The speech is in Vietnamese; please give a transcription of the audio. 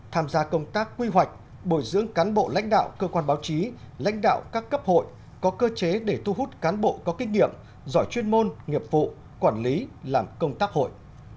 tham gia công tác quy hoạch bồi dưỡng cán bộ lãnh đạo cơ quan báo chí lãnh đạo các cấp hội có cơ chế để thu hút cán bộ có kinh nghiệm giỏi chuyên môn nghiệp vụ quản lý làm công tác hội